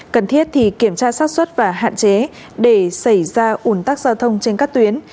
cần thiết thì kiểm tra sát xuất và hạn chế để xảy ra ủn tắc giao thông trên các tuyến